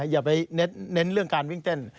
อย่าไปเน้นเรื่องการวิ่งเต้น